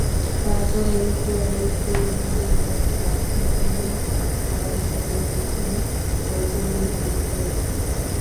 তারপর ঐ কুরাইশী যুবক তার থেকে তা ক্রয় করে নিয়েছে ও পরিধান করেছে।